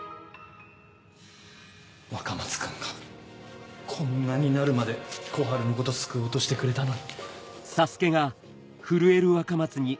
若松君がこんなになるまで小春のこと救おうとしてくれたのに。